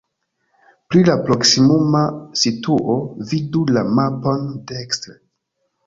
Pri la proksimuma situo vidu la mapon dekstre.